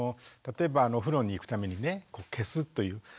例えばお風呂に行くためにね消すという。